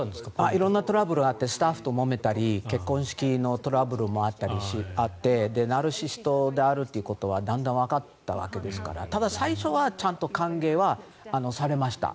色んなトラブルがあってスタッフともめたり結婚式のトラブルもあってナルシシストであるということがだんだんわかったわけですからただ、最初はちゃんと歓迎はされました。